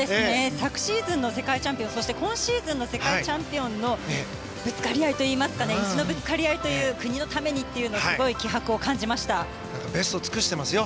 昨シーズンの世界チャンピオンそして今シーズンの世界チャンピオンのぶつかり合いといいますか意地のぶつかり合い国のためにとベストを尽くしてますよ。